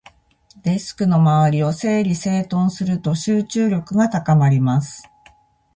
デスクの周りを整理整頓すると、集中力が高まります。